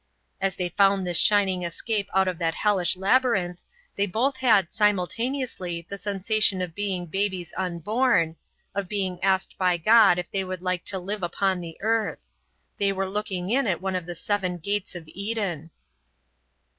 As they found this shining escape out of that hellish labyrinth they both had simultaneously the sensation of being babes unborn, of being asked by God if they would like to live upon the earth. They were looking in at one of the seven gates of Eden.